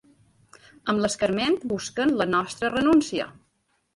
Amb l’escarment busquen la nostra renúncia.